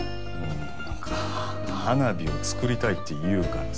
なんか花火を作りたいって言うからさ。